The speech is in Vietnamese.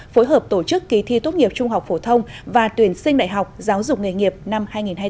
phối hợp tổ chức kỳ thi tốt nghiệp trung học phổ thông và tuyển sinh đại học giáo dục nghề nghiệp năm hai nghìn hai mươi bốn